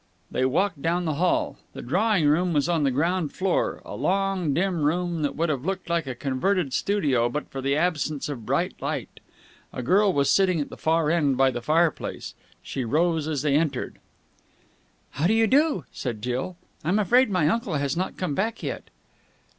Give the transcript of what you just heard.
They walked down the hall. The drawing room was on the ground floor, a long, dim room that would have looked like a converted studio but for the absence of bright light. A girl was sitting at the far end by the fireplace. She rose as they entered. "How do you do?" said Jill. "I'm afraid my uncle has not come back yet...."